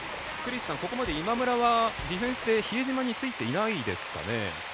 ここまで今村はディフェンスで比江島についていないですか？